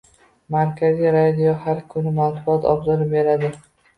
Markaziy radio har kuni matbuot obzori beradi.